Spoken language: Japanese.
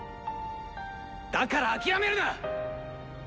だから諦めるな！